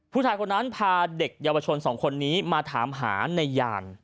ผู้ชายคนนั้นพาเด็กเยาวชนสองคนนี้มาถามหาในยาน